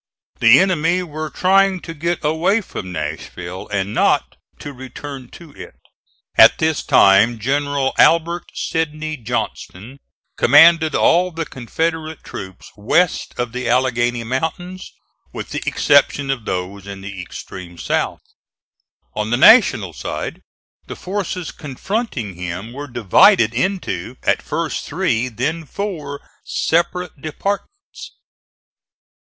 The enemy were trying to get away from Nashville and not to return to it. At this time General Albert Sidney Johnston commanded all the Confederate troops west of the Alleghany Mountains, with the exception of those in the extreme south. On the National side the forces confronting him were divided into, at first three, then four separate departments.